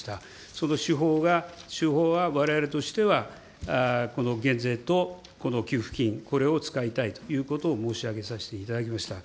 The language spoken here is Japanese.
その手法が、手法は、われわれとしてはこの減税とこの給付金、これを使いたいということを申し上げさせていただきました。